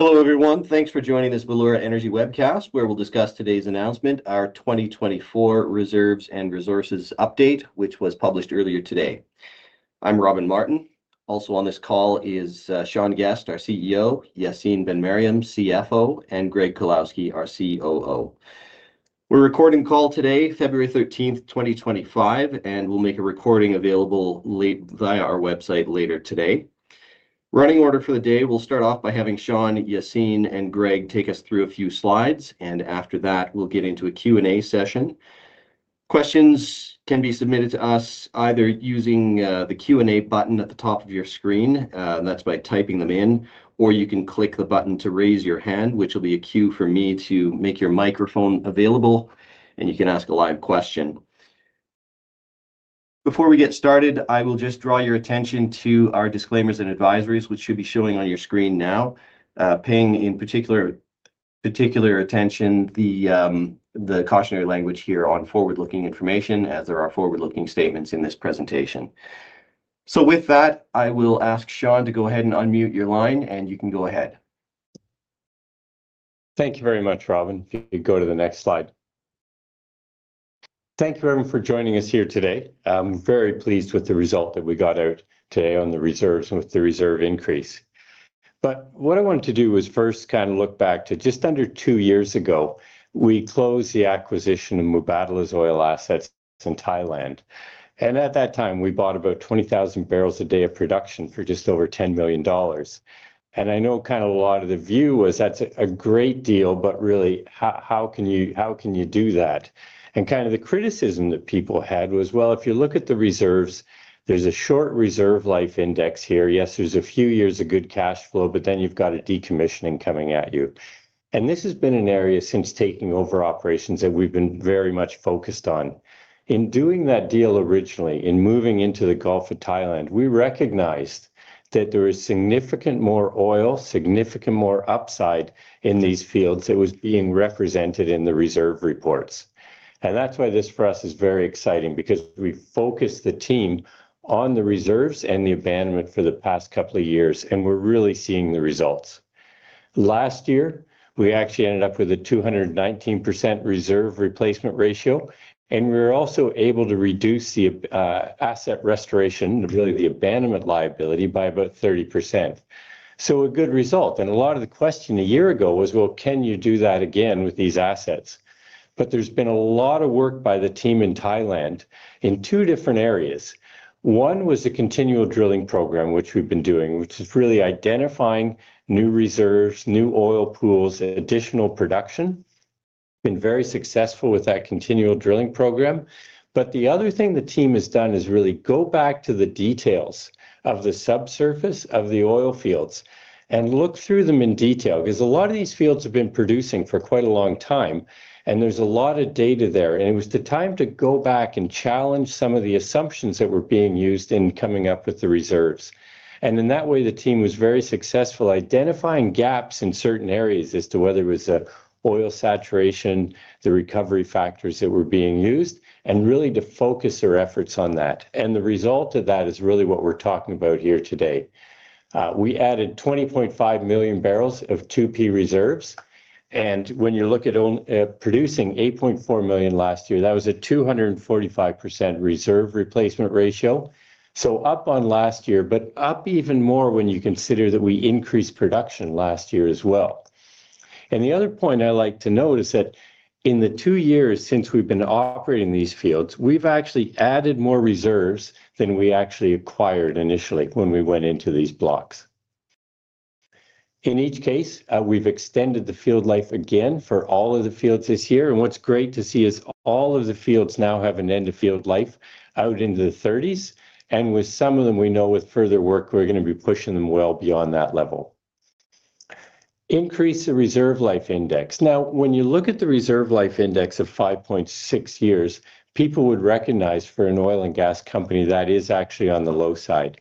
Hello, everyone. Thanks for joining this Valeura Energy webcast, where we'll discuss today's announcement, our 2024 Reserves and Resources Update, which was published earlier today. I'm Robin Martin. Also on this call is Sean Guest, our CEO; Yacine Ben-Meriem, CFO; and Greg Jankowski, our COO. We're recording the call today, February 13, 2025, and we'll make a recording available via our website later today. Running order for the day, we'll start off by having Sean, Yacine, and Greg take us through a few slides, and after that, we'll get into a Q&A session. Questions can be submitted to us either using the Q&A button at the top of your screen, and that's by typing them in, or you can click the button to raise your hand, which will be a cue for me to make your microphone available, and you can ask a live question. Before we get started, I will just draw your attention to our disclaimers and advisories, which should be showing on your screen now. Paying in particular attention to the cautionary language here on forward-looking information, as there are forward-looking statements in this presentation. So with that, I will ask Sean to go ahead and unmute your line, and you can go ahead. Thank you very much, Robin. If you could go to the next slide. Thank you, everyone, for joining us here today. I'm very pleased with the result that we got out today on the reserves and with the reserve increase. But what I wanted to do was first kind of look back to just under two years ago, we closed the acquisition of Mubadala's oil assets in Thailand. And at that time, we bought about 20,000 barrels a day of production for just over $10 million. And I know kind of a lot of the view was, that's a great deal, but really, how can you do that? And kind of the criticism that people had was, well, if you look at the reserves, there's a short reserve life index here. Yes, there's a few years of good cash flow, but then you've got a decommissioning coming at you. This has been an area since taking over operations that we've been very much focused on. In doing that deal originally, in moving into the Gulf of Thailand, we recognized that there was significant more oil, significant more upside in these fields that was being represented in the reserve reports. That's why this, for us, is very exciting, because we focused the team on the reserves and the abandonment for the past couple of years, and we're really seeing the results. Last year, we actually ended up with a 219% reserve replacement ratio, and we were also able to reduce the asset restoration, really the abandonment liability, by about 30%. A good result. A lot of the question a year ago was, well, can you do that again with these assets? There's been a lot of work by the team in Thailand in two different areas. One was the continual drilling program, which we've been doing, which is really identifying new reserves, new oil pools, additional production. Been very successful with that continual drilling program. But the other thing the team has done is really go back to the details of the subsurface of the oil fields and look through them in detail, because a lot of these fields have been producing for quite a long time, and there's a lot of data there. It was the time to go back and challenge some of the assumptions that were being used in coming up with the reserves. And in that way, the team was very successful identifying gaps in certain areas as to whether it was oil saturation, the recovery factors that were being used, and really to focus their efforts on that. And the result of that is really what we're talking about here today. We added 20.5 million barrels of 2P reserves. And when you look at producing 8.4 million last year, that was a 245% reserve replacement ratio. So up on last year, but up even more when you consider that we increased production last year as well. And the other point I like to note is that in the two years since we've been operating these fields, we've actually added more reserves than we actually acquired initially when we went into these blocks. In each case, we've extended the field life again for all of the fields this year. And what's great to see is all of the fields now have an end-of-field life out into the 30s. And with some of them, we know with further work, we're going to be pushing them well beyond that level. Increase the reserve life index. Now, when you look at the reserve life index of 5.6 years, people would recognize for an oil and gas company that is actually on the low side.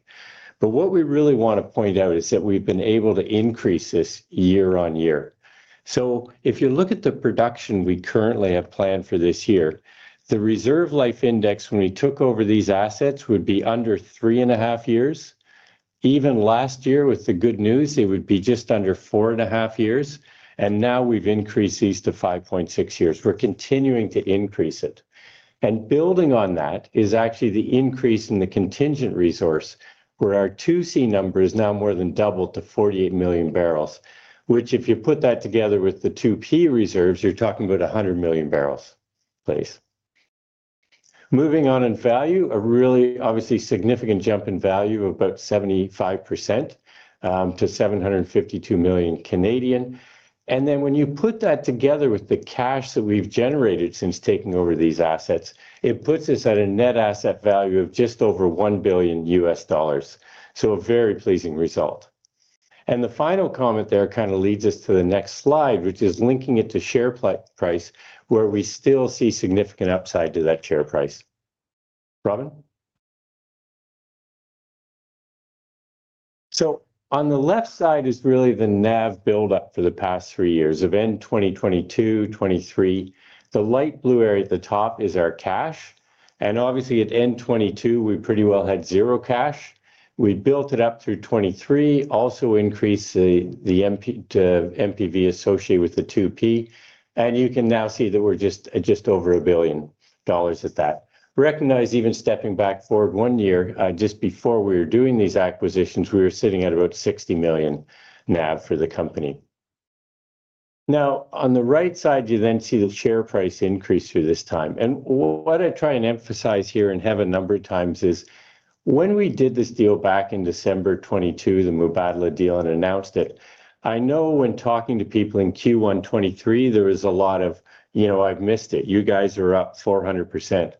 But what we really want to point out is that we've been able to increase this year on year. So if you look at the production we currently have planned for this year, the reserve life index, when we took over these assets, would be under three and a half years. Even last year, with the good news, it would be just under four and a half years. And now we've increased these to 5.6 years. We're continuing to increase it, and building on that is actually the increase in the contingent resource, where our 2C number is now more than doubled to 48 million barrels, which, if you put that together with the 2P reserves, you're talking about 100 million barrels. Moving on in value, a really obviously significant jump in value of about 75% to 752 million, and then when you put that together with the cash that we've generated since taking over these assets, it puts us at a net asset value of just over $1 billion US dollars, so a very pleasing result, and the final comment there kind of leads us to the next slide, which is linking it to share price, where we still see significant upside to that share price. Robin? So on the left side is really the NAV build-up for the past three years of end 2022, 2023. The light blue area at the top is our cash. And obviously, at end 2022, we pretty well had zero cash. We built it up through 2023, also increased the NPV associated with the 2P. And you can now see that we're just over $1 billion at that. Recognize even stepping back forward one year, just before we were doing these acquisitions, we were sitting at about $60 million NAV for the company. Now, on the right side, you then see the share price increase through this time. And what I try and emphasize here and have a number of times is, when we did this deal back in December 2022, the Mubadala deal and announced it, I know when talking to people in Q1 2023, there was a lot of, you know, I've missed it. You guys are up 400%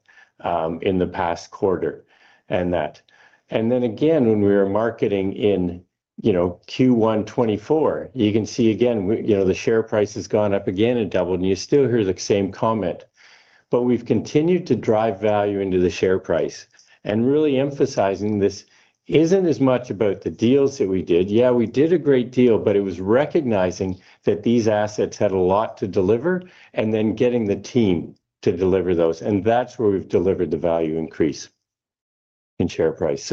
in the past quarter and that. And then again, when we were marketing in Q1 2024, you can see again, you know, the share price has gone up again and doubled, and you still hear the same comment. But we've continued to drive value into the share price. And really emphasizing this isn't as much about the deals that we did. Yeah, we did a great deal, but it was recognizing that these assets had a lot to deliver and then getting the team to deliver those. That's where we've delivered the value increase in share price.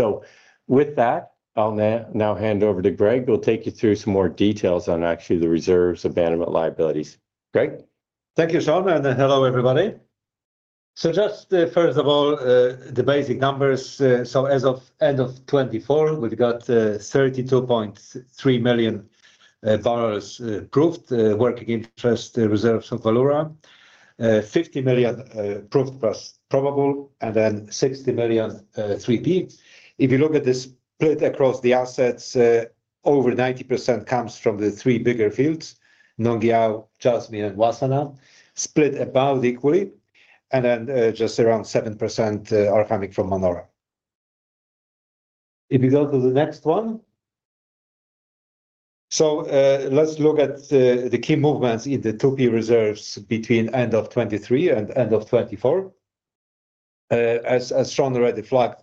With that, I'll now hand over to Greg. We'll take you through some more details on actually the reserves, abandonment liabilities. Greg? Thank you, Sean. Hello, everybody. Just first of all, the basic numbers. As of end of 2024, we've got 32.3 million barrels proved working interest reserves of Valeura, 50 million proved plus probable, and then 60 million 3P. If you look at the split across the assets, over 90% comes from the three bigger fields, Nong Yao, Jasmine, and Wassana, split about equally, and then just around 7% are coming from Manora. If you go to the next one. Let's look at the key movements in the 2P reserves between end of 2023 and end of 2024. As Sean already flagged,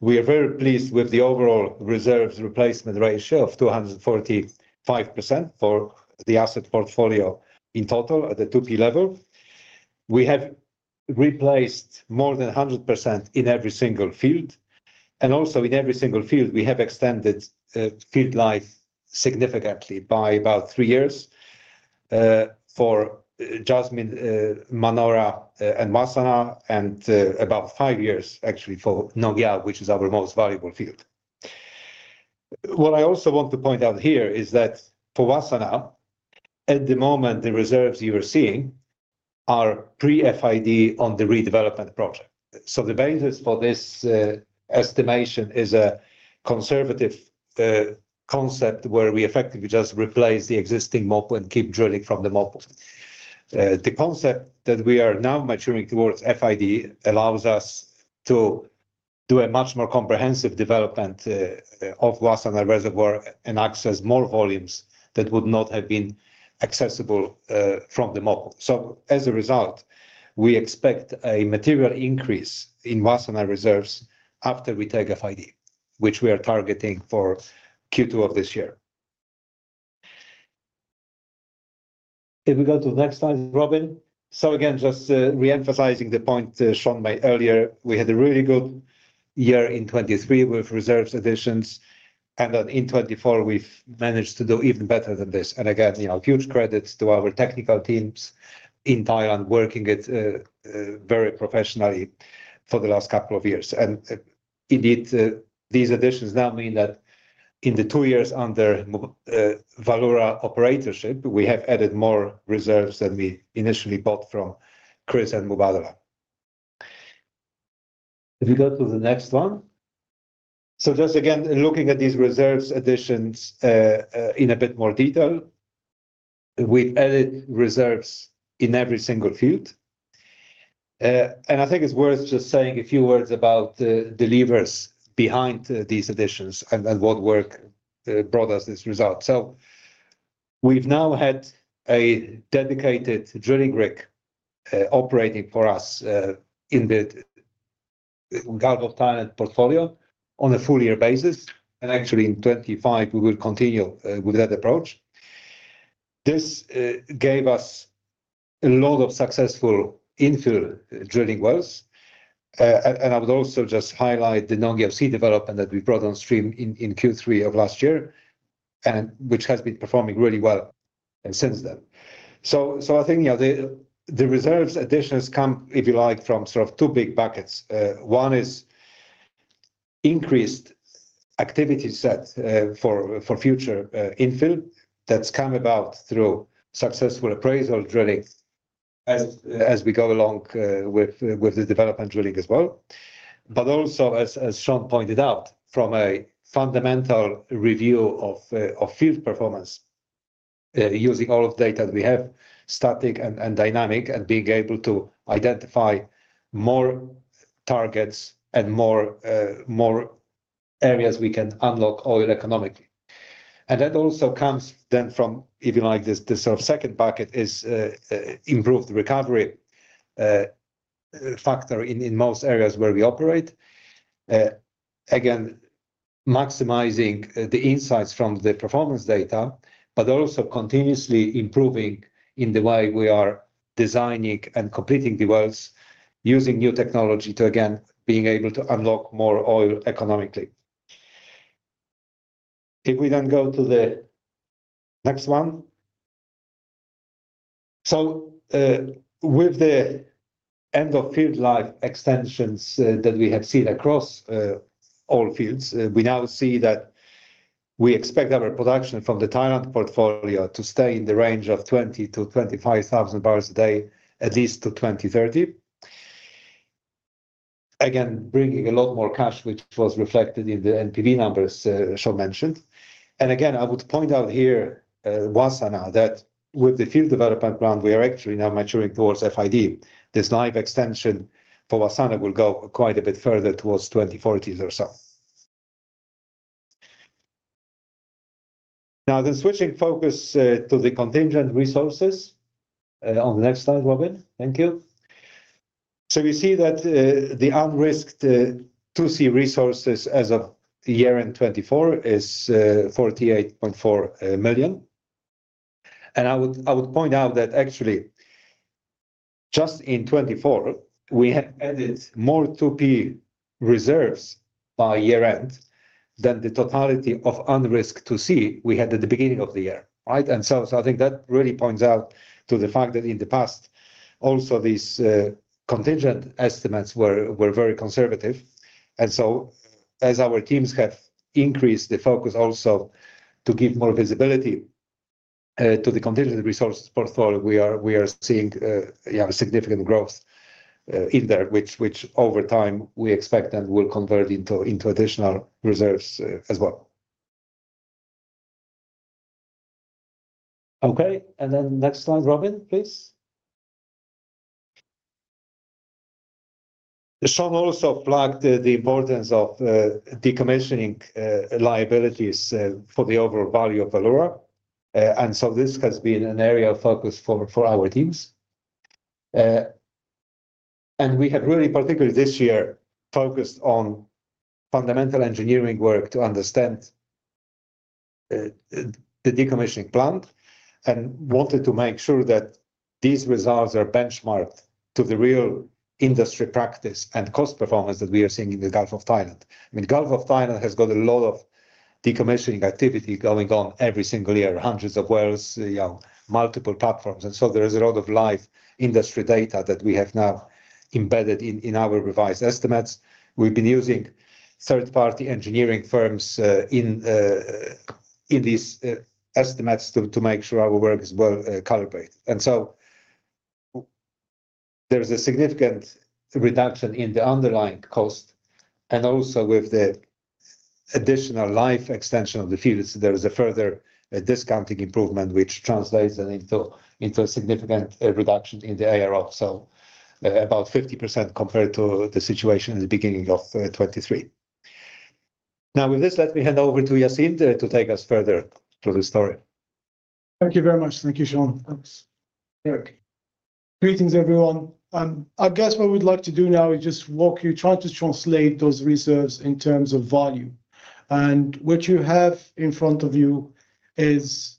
we are very pleased with the overall reserves replacement ratio of 245% for the asset portfolio in total at the 2P level. We have replaced more than 100% in every single field. And also in every single field, we have extended field life significantly by about three years for Jasmine, Manora, and Wassana, and about five years, actually, for Nong Yao, which is our most valuable field. What I also want to point out here is that for Wassana, at the moment, the reserves you are seeing are pre-FID on the redevelopment project. So the basis for this estimation is a conservative concept where we effectively just replace the existing MOPU and keep drilling from the MOPU. The concept that we are now maturing towards FID allows us to do a much more comprehensive development of Wassana reservoir and access more volumes that would not have been accessible from the MOPU. So as a result, we expect a material increase in Wassana reserves after we take FID, which we are targeting for Q2 of this year. If we go to the next slide, Robin. So again, just reemphasizing the point Sean made earlier, we had a really good year in 2023 with reserves additions, and then in 2024, we've managed to do even better than this. And again, huge credit to our technical teams in Thailand working it very professionally for the last couple of years. And indeed, these additions now mean that in the two years under Valeura operatorship, we have added more reserves than we initially bought from Kris and Mubadala. If you go to the next one. So just again, looking at these reserves additions in a bit more detail, we've added reserves in every single field. And I think it's worth just saying a few words about the levers behind these additions and what work brought us this result. So we've now had a dedicated drilling rig operating for us in the Gulf of Thailand portfolio on a full-year basis. And actually, in 2025, we will continue with that approach. This gave us a lot of successful infill drilling wells. And I would also just highlight the Nong Yao C development that we brought on stream in Q3 of last year, which has been performing really well since then. So I think the reserves additions come, if you like, from sort of two big buckets. One is increased activity set for future infill that's come about through successful appraisal drilling as we go along with the development drilling as well. But also, as Sean pointed out, from a fundamental review of field performance, using all of the data that we have, static and dynamic, and being able to identify more targets and more areas we can unlock oil economically. And that also comes then from, if you like, the sort of second bucket is improved recovery factor in most areas where we operate. Again, maximizing the insights from the performance data, but also continuously improving in the way we are designing and completing the wells, using new technology to, again, be able to unlock more oil economically. If we then go to the next one. With the end-of-field life extensions that we have seen across all fields, we now see that we expect our production from the Thailand portfolio to stay in the range of 20,000 to 25,000 barrels a day, at least to 2030. Again, bringing a lot more cash, which was reflected in the NPV numbers Sean mentioned. And again, I would point out here, Wassana, that with the field development ground, we are actually now maturing towards FID. This life extension for Wassana will go quite a bit further towards 2040 or so. Now, then switching focus to the contingent resources on the next slide, Robin. Thank you. So we see that the unrisked 2C resources as of year-end 2024 is 48.4 million. I would point out that actually, just in 2024, we added more 2P reserves by year-end than the totality of unrisked 2C we had at the beginning of the year. And so I think that really points out to the fact that in the past, also these contingent estimates were very conservative. And so as our teams have increased the focus also to give more visibility to the contingent resources portfolio, we are seeing a significant growth in there, which over time we expect and will convert into additional reserves as well. Okay. And then next slide, Robin, please. Sean also flagged the importance of decommissioning liabilities for the overall value of Valeura. And so this has been an area of focus for our teams. And we have really, particularly this year, focused on fundamental engineering work to understand the decommissioning plan and wanted to make sure that these results are benchmarked to the real industry practice and cost performance that we are seeing in the Gulf of Thailand. I mean, Gulf of Thailand has got a lot of decommissioning activity going on every single year, hundreds of wells, multiple platforms. And so there is a lot of live industry data that we have now embedded in our revised estimates. We've been using third-party engineering firms in these estimates to make sure our work is well calibrated. And so there's a significant reduction in the underlying cost. And also with the additional life extension of the fields, there is a further discounting improvement, which translates into a significant reduction in the ARO, so about 50% compared to the situation at the beginning of 2023. Now, with this, let me hand over to Yacine to take us further through the story. Thank you very much. Thank you, Sean. Thanks. Greetings, everyone. I guess what we'd like to do now is just walk you, try to translate those reserves in terms of value. What you have in front of you is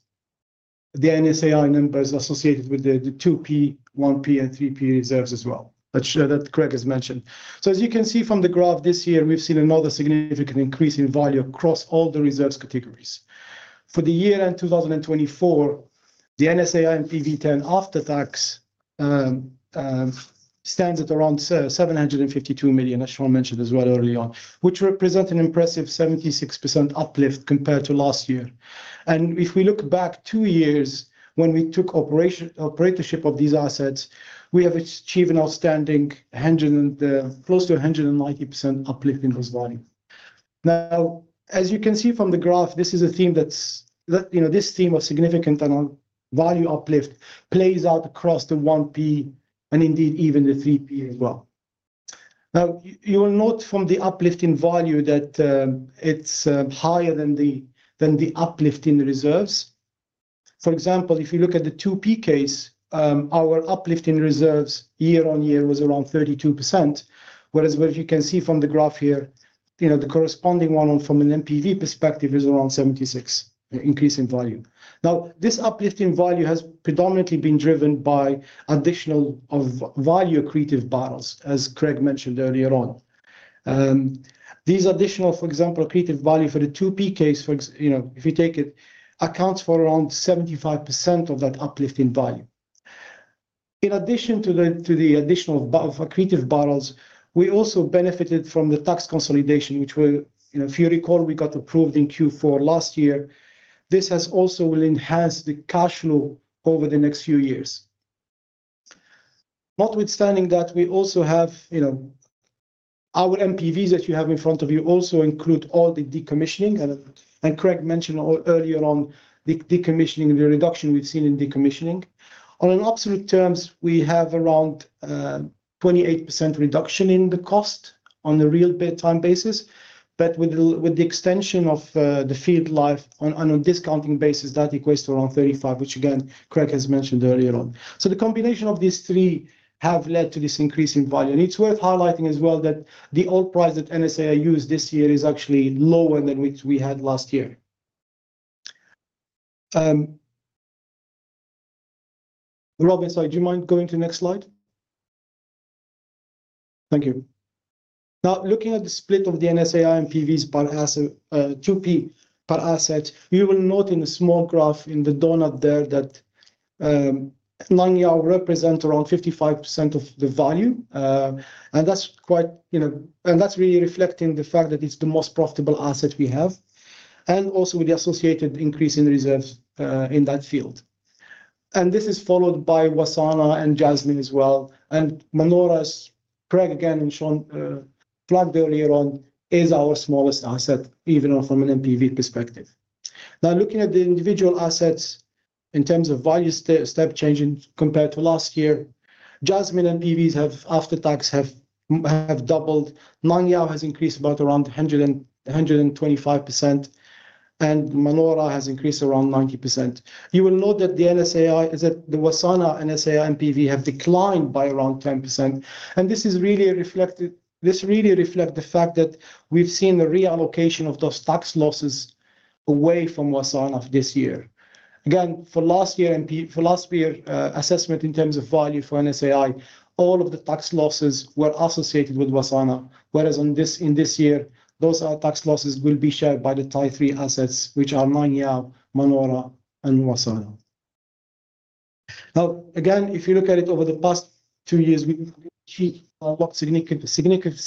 the NSAI numbers associated with the 2P, 1P, and 3P reserves as well, that Greg has mentioned. As you can see from the graph this year, we've seen another significant increase in value across all the reserves categories. For the year end 2024, the NSAI NPV10 after-tax stands at around $752 million, as Sean mentioned as well early on, which represents an impressive 76% uplift compared to last year. If we look back two years when we took operatorship of these assets, we have achieved an outstanding close to 190% uplift in those values. Now, as you can see from the graph, this is a theme of significant value uplift that plays out across the 1P and indeed even the 3P as well. Now, you will note from the uplift in value that it's higher than the uplift in reserves. For example, if you look at the 2P case, our uplift in reserves year-on-year was around 32%, whereas what you can see from the graph here, the corresponding one from an NPV perspective is around 76% increase in value. Now, this uplift in value has predominantly been driven by additional value accretive barrels, as Greg mentioned earlier on. These additional, for example, accretive value for the 2P case, if you take it, accounts for around 75% of that uplift in value. In addition to the additional accretive barrels, we also benefited from the tax consolidation, which, if you recall, we got approved in Q4 last year. This will also enhance the cash flow over the next few years. Notwithstanding that, we also have our NPVs that you have in front of you also include all the decommissioning, and Greg mentioned earlier on the decommissioning, the reduction we've seen in decommissioning. In absolute terms, we have around 28% reduction in the cost on a real terms basis. But with the extension of the field life on a discounted basis, that equates to around 35%, which, again, Greg has mentioned earlier on, so the combination of these three have led to this increase in value, and it's worth highlighting as well that the oil price that NSAI used this year is actually lower than which we had last year. Robin, sorry, do you mind going to the next slide? Thank you. Now, looking at the split of the NSAI NPVs per 2P per asset, you will note in a small graph in the donut there that Nong Yao represents around 55% of the value. And that's quite and that's really reflecting the fact that it's the most profitable asset we have, and also with the associated increase in reserves in that field. And this is followed by Wassana and Jasmine as well. And Manora, as Greg again and Sean plugged earlier on, is our smallest asset, even from an NPV perspective. Now, looking at the individual assets in terms of value step changing compared to last year, Jasmine NPVs have after-tax doubled. Nong Yao has increased around 125%, and Manora has increased around 90%. You will note that the NSAI, the Wassana NSAI NPV have declined by around 10%. This really reflects the fact that we've seen the reallocation of those tax losses away from Wassana this year. Again, last year's assessment in terms of value for NSAI, all of the tax losses were associated with Wassana, whereas in this year, those tax losses will be shared by the Thai III assets, which are Nong Yao, Manora, and Wassana. Now, again, if you look at it over the past two years, we've achieved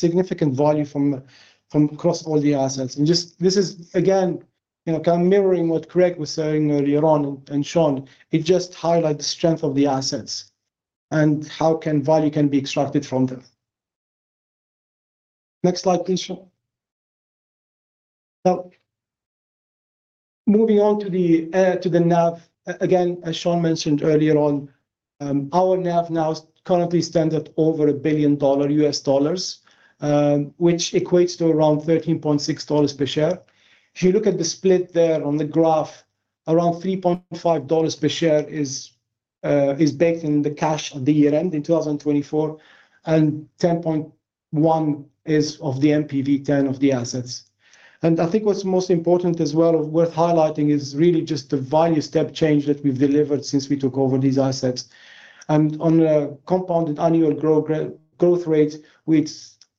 significant value from across all the assets. This is, again, kind of mirroring what Greg was saying earlier on and Sean. It just highlights the strength of the assets and how value can be extracted from them. Next slide, please, Sean. Now, moving on to the NAV, again, as Sean mentioned earlier on, our NAV now is currently standard over $1 billion, which equates to around $13.6 per share. If you look at the split there on the graph, around $3.5 per share is baked in the cash at the year-end in 2024, and 10.1 is of the NPV 10 of the assets. And I think what's most important as well worth highlighting is really just the value step change that we've delivered since we took over these assets. And on a compounded annual growth rate,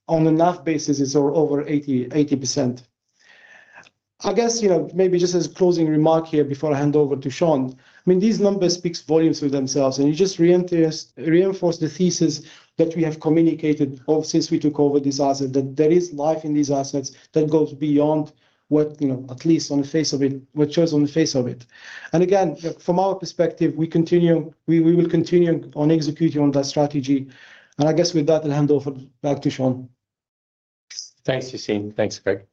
on a NAV basis, it's over 80%. I guess maybe just as a closing remark here before I hand over to Sean, I mean, these numbers speak volumes of themselves. And you just reinforce the thesis that we have communicated since we took over these assets, that there is life in these assets that goes beyond what, at least on the face of it, shows on the face of it. And again, from our perspective, we will continue on executing on that strategy. And I guess with that, I'll hand over back to Sean. Thanks, Yacine. Thanks, Greg.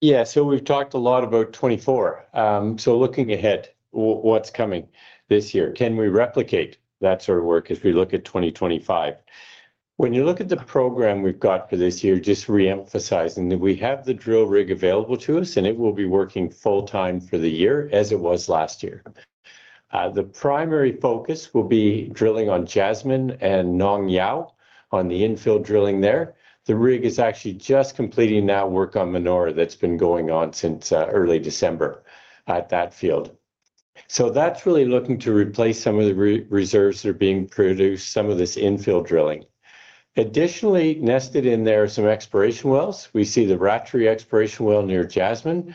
Yeah, so we've talked a lot about '24. So looking ahead, what's coming this year? Can we replicate that sort of work as we look at 2025? When you look at the program we've got for this year, just reemphasizing that we have the drill rig available to us, and it will be working full-time for the year as it was last year. The primary focus will be drilling on Jasmine and Nong Yao on the infill drilling there. The rig is actually just completing now work on Manora that's been going on since early December at that field. So that's really looking to replace some of the reserves that are being produced, some of this infill drilling. Additionally, nested in there are some exploration wells. We see the Ratri exploration well near Jasmine.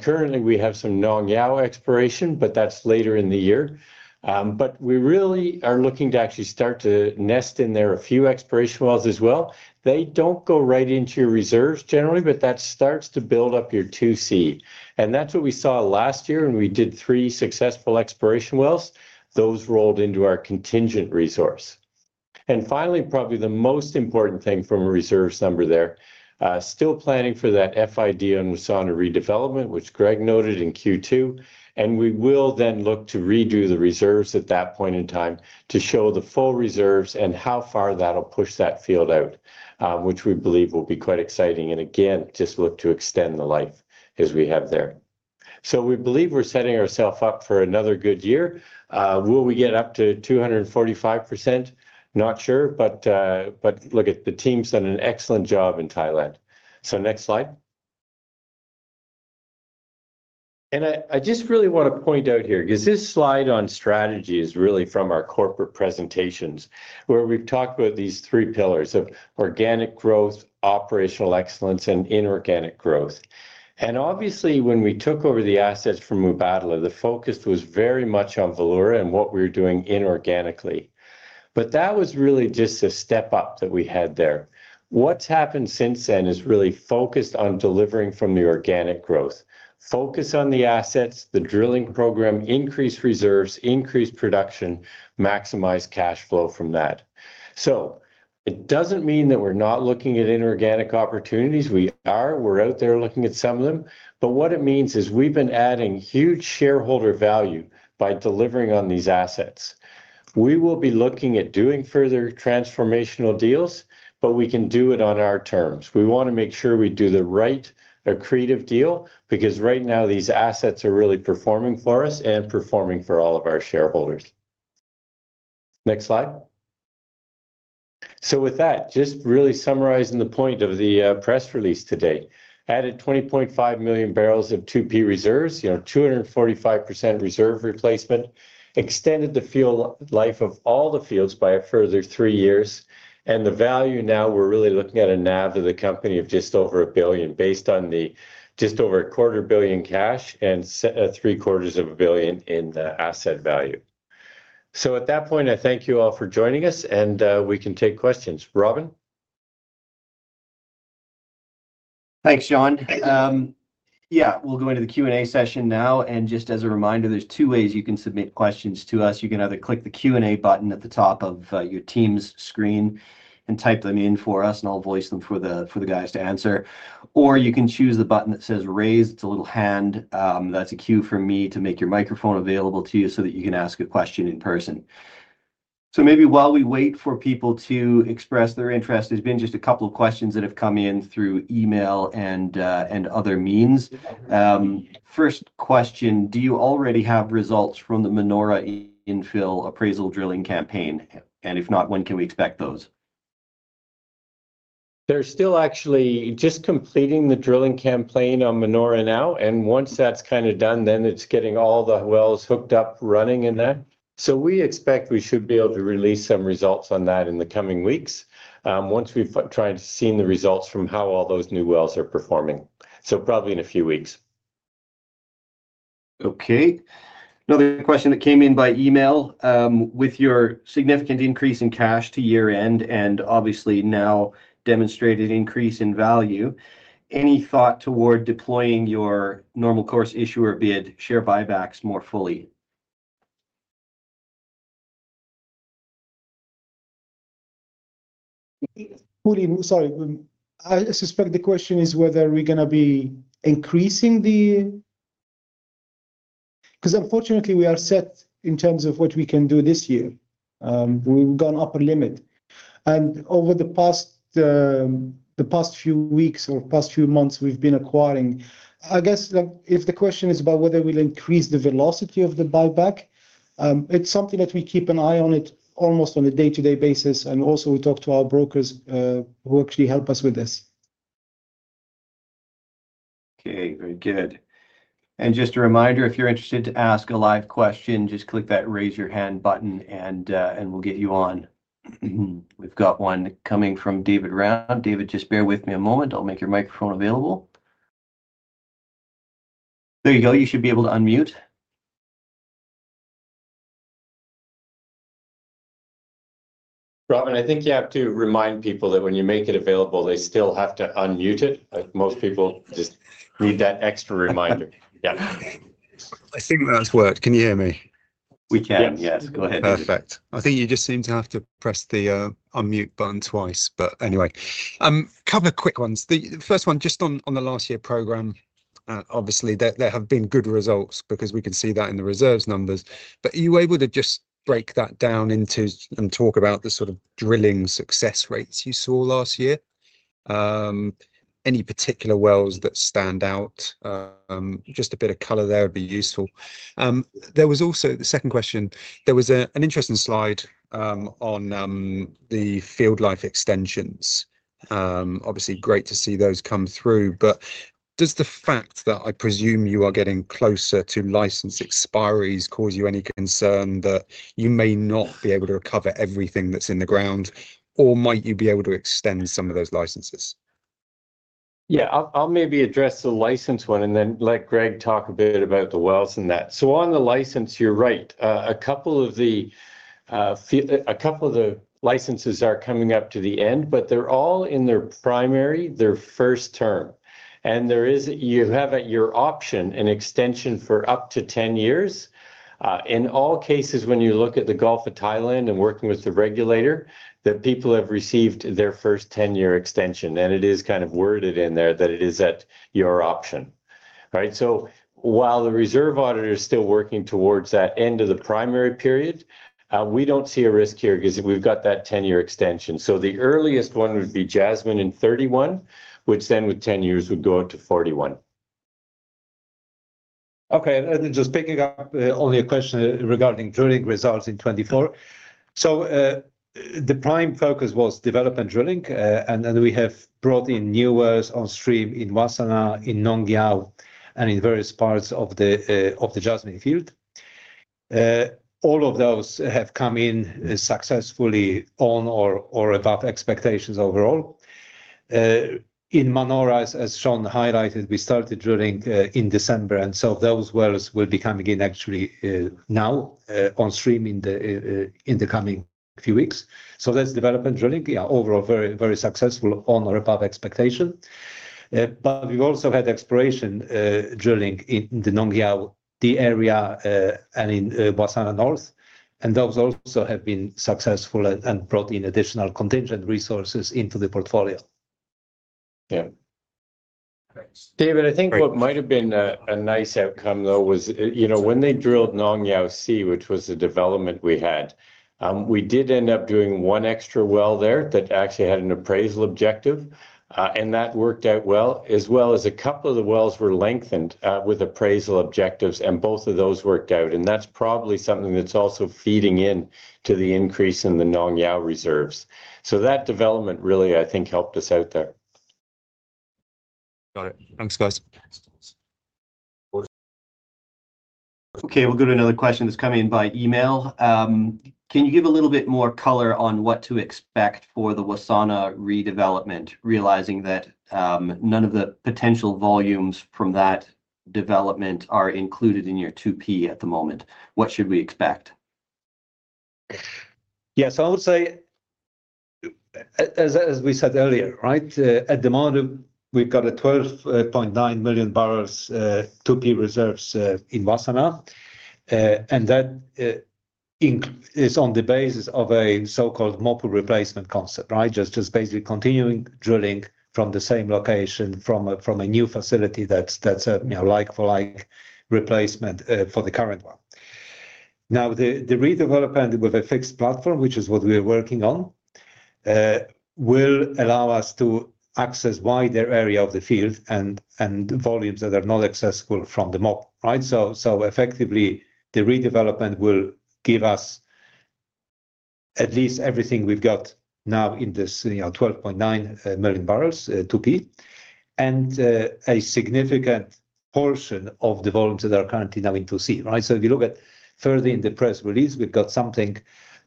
Currently, we have some Nong Yao exploration, but that's later in the year. We really are looking to actually start to nest in there a few exploration wells as well. They don't go right into your reserves generally, but that starts to build up your 2C. That's what we saw last year, and we did three successful exploration wells. Those rolled into our contingent resource. Finally, probably the most important thing from a reserves number there, still planning for that FID on Wassana redevelopment, which Greg noted in Q2. We will then look to redo the reserves at that point in time to show the full reserves and how far that'll push that field out, which we believe will be quite exciting. Again, just look to extend the life as we have there. We believe we're setting ourselves up for another good year. Will we get up to 245%? Not sure, but look at the teams done an excellent job in Thailand, so next slide, and I just really want to point out here, because this slide on strategy is really from our corporate presentations where we've talked about these three pillars of organic growth, operational excellence, and inorganic growth. Obviously, when we took over the assets from Mubadala, the focus was very much on Valeura and what we were doing inorganically. But that was really just a step up that we had there. What's happened since then is really focused on delivering from the organic growth, focus on the assets, the drilling program, increase reserves, increase production, maximize cash flow from that, so it doesn't mean that we're not looking at inorganic opportunities. We are. We're out there looking at some of them. But what it means is we've been adding huge shareholder value by delivering on these assets. We will be looking at doing further transformational deals, but we can do it on our terms. We want to make sure we do the right accretive deal because right now, these assets are really performing for us and performing for all of our shareholders. Next slide so with that, just really summarizing the point of the press release today, added 20.5 million barrels of 2P reserves, 245% reserve replacement, extended the field life of all the fields by a further three years and the value now, we're really looking at a NAV of the company of just over $1 billion based on the just over $250 million cash and $750 million in asset value. So at that point, I thank you all for joining us, and we can take questions. Robin? Thanks, Sean. Yeah, we'll go into the Q&A session now, and just as a reminder, there's two ways you can submit questions to us. You can either click the Q&A button at the top of your Teams screen and type them in for us, and I'll voice them for the guys to answer. Or you can choose the button that says raise. It's a little hand. That's a cue for me to make your microphone available to you so that you can ask a question in person, so maybe while we wait for people to express their interest, there's been just a couple of questions that have come in through email and other means. First question, do you already have results from the Manora infill appraisal drilling campaign? And if not, when can we expect those? They're still actually just completing the drilling campaign on Manora now. Once that's kind of done, then it's getting all the wells hooked up, running in there. We expect we should be able to release some results on that in the coming weeks once we've seen the results from how all those new wells are performing. Probably in a few weeks. Okay. Another question that came in by email. With your significant increase in cash to year-end and obviously now demonstrated increase in value, any thought toward deploying your Normal Course Issuer Bid share buybacks more fully? Sorry, I suspect the question is whether we're going to be increasing the buyback because, unfortunately, we are set in terms of what we can do this year. We've gone upper limit. And over the past few weeks or past few months, we've been acquiring. I guess if the question is about whether we'll increase the velocity of the buyback, it's something that we keep an eye on almost on a day-to-day basis. And also, we talk to our brokers who actually help us with this. Okay. Very good. And just a reminder, if you're interested to ask a live question, just click that raise your hand button, and we'll get you on. We've got one coming from David Round. David, just bear with me a moment. I'll make your microphone available. There you go. You should be able to unmute. Robin, I think you have to remind people that when you make it available, they still have to unmute it. Most people just need that extra reminder. Yeah. I think that's worked. Can you hear me? We can. Yes. Go ahead. Perfect. I think you just seem to have to press the unmute button twice. But anyway, a couple of quick ones. The first one, just on the last year program, obviously, there have been good results because we can see that in the reserves numbers. But are you able to just break that down and talk about the sort of drilling success rates you saw last year? Any particular wells that stand out? Just a bit of color there would be useful. There was also the second question. There was an interesting slide on the field life extensions. Obviously, great to see those come through. But does the fact that I presume you are getting closer to license expiries cause you any concern that you may not be able to recover everything that's in the ground? Or might you be able to extend some of those licenses? Yeah, I'll maybe address the license one and then let Greg talk a bit about the wells and that. So on the license, you're right. A couple of the licenses are coming up to the end, but they're all in their primary, their first term, and you have at your option an extension for up to 10 years. In all cases, when you look at the Gulf of Thailand and working with the regulator, that people have received their first 10-year extension, and it is kind of worded in there that it is at your option. All right. So while the reserve auditor is still working towards that end of the primary period, we don't see a risk here because we've got that 10-year extension. So the earliest one would be Jasmine in 2031, which then with 10 years would go up to 2041. Okay. And then just picking up only a question regarding drilling results in 2024. So the prime focus was development drilling. And then we have brought in new wells on stream in Wassana, in Nong Yao, and in various parts of the Jasmine field. All of those have come in successfully on or above expectations overall. In Manora, as Sean highlighted, we started drilling in December. And so those wells will be coming in actually now on stream in the coming few weeks. So that's development drilling. Yeah, overall, very, very successful on or above expectation. But we've also had exploration drilling in the Nong Yao area and in Wassana North. And those also have been successful and brought in additional contingent resources into the portfolio. Yeah. David, I think what might have been a nice outcome, though, was when they drilled Nong Yao C, which was the development we had. We did end up doing one extra well there that actually had an appraisal objective. And that worked out well, as well as a couple of the wells were lengthened with appraisal objectives, and both of those worked out. And that's probably something that's also feeding into the increase in the Nong Yao reserves. So that development really, I think, helped us out there. Got it. Thanks, guys. Okay. We'll go to another question that's coming in by email. Can you give a little bit more color on what to expect for the Wassana redevelopment, realizing that none of the potential volumes from that development are included in your 2P at the moment? What should we expect? Yeah. So I would say, as we said earlier, right, at the moment, we've got a 12.9 million barrels 2P reserves in Wassana. And that is on the basis of a so-called MOPU replacement concept, right? Just basically continuing drilling from the same location from a new facility that's a like-for-like replacement for the current one. Now, the redevelopment with a fixed platform, which is what we're working on, will allow us to access wider area of the field and volumes that are not accessible from the MOPU, right? So effectively, the redevelopment will give us at least everything we've got now in this 12.9 million barrels 2P and a significant portion of the volumes that are currently now in 2C. Right? So if you look at further in the press release, we've got something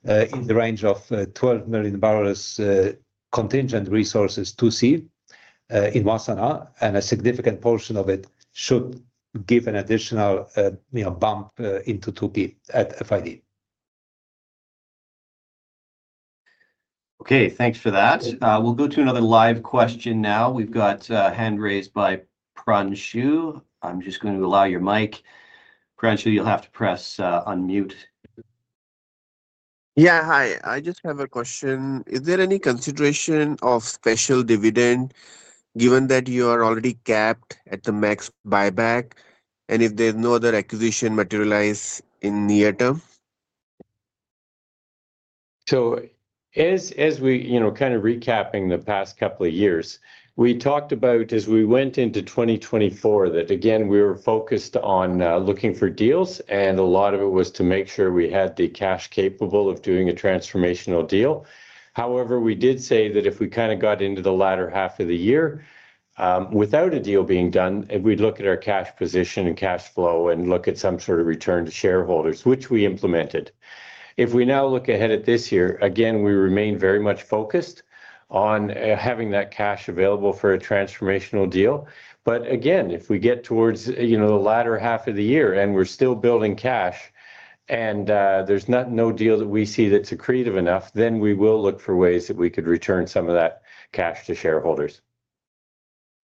in the range of 12 million barrels contingent resources 2C in Wassana. A significant portion of it should give an additional bump into 2P at FID. Okay. Thanks for that. We'll go to another live question now. We've got a hand raised by Pranshu. I'm just going to allow your mic. Pranshu, you'll have to press unmute. Yeah. Hi. I just have a question. Is there any consideration of special dividend given that you are already capped at the max buyback and if there's no other acquisition materialize in near term? As we kind of recapping the past couple of years, we talked about as we went into 2024 that, again, we were focused on looking for deals. A lot of it was to make sure we had the cash capable of doing a transformational deal. However, we did say that if we kind of got into the latter half of the year without a deal being done, we'd look at our cash position and cash flow and look at some sort of return to shareholders, which we implemented. If we now look ahead at this year, again, we remain very much focused on having that cash available for a transformational deal. But again, if we get towards the latter half of the year and we're still building cash and there's no deal that we see that's accretive enough, then we will look for ways that we could return some of that cash to shareholders.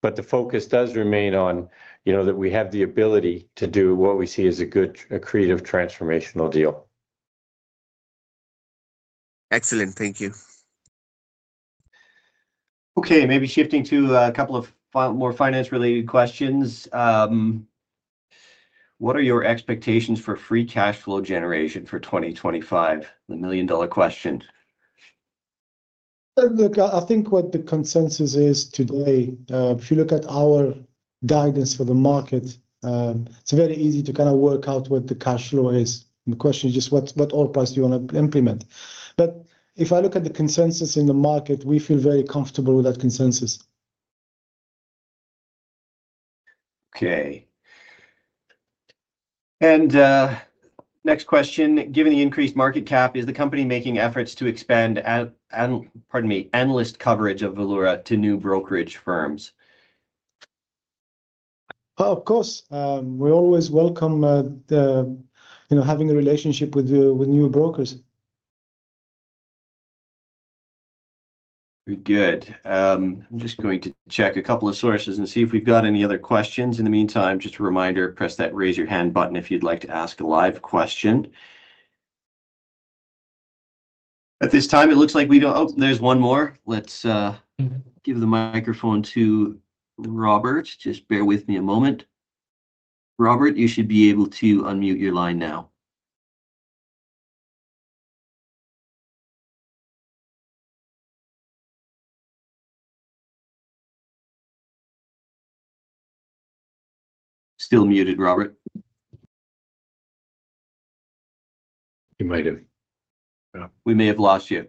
But the focus does remain on that we have the ability to do what we see as a good accretive transformational deal. Excellent. Thank you. Okay. Maybe shifting to a couple of more finance-related questions. What are your expectations for free cash flow generation for 2025? The million-dollar question. Look, I think what the consensus is today, if you look at our guidance for the market, it's very easy to kind of work out what the cash flow is. The question is just what oil price do you want to implement? But if I look at the consensus in the market, we feel very comfortable with that consensus. Okay. Next question. Given the increased market cap, is the company making efforts to expand and, pardon me, analyst coverage of Valeura to new brokerage firms? Of course. We always welcome having a relationship with new brokers. Very good. I'm just going to check a couple of sources and see if we've got any other questions. In the meantime, just a reminder, press that raise your hand button if you'd like to ask a live question. At this time, it looks like we don't. Oh, there's one more. Let's give the microphone to Robert. Just bear with me a moment. Robert, you should be able to unmute your line now. Still muted, Robert. You might have. We may have lost you.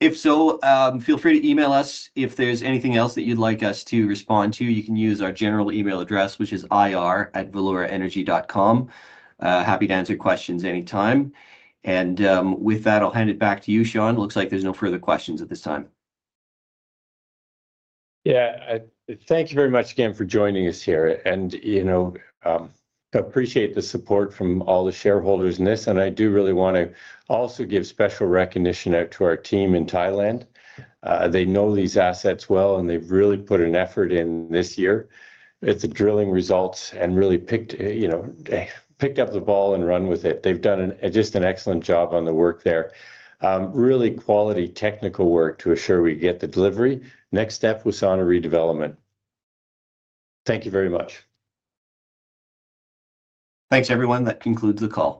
If so, feel free to email us. If there's anything else that you'd like us to respond to, you can use our general email address, which is ir@valeuraenergy.com. Happy to answer questions anytime. And with that, I'll hand it back to you, Sean. Looks like there's no further questions at this time. Yeah. Thank you very much again for joining us here. And I appreciate the support from all the shareholders in this. And I do really want to also give special recognition out to our team in Thailand. They know these assets well, and they've really put an effort in this year with the drilling results and really picked up the ball and run with it. They've done just an excellent job on the work there. Really quality technical work to assure we get the delivery. Next step, Wassana redevelopment. Thank you very much. Thanks, everyone. That concludes the call.